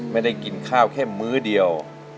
ไม่ได้กินข้าวแค่มื้อเดียว